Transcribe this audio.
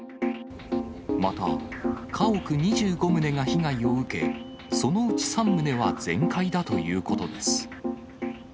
また、家屋２５棟が被害を受け、そのうち３棟は全壊だということです。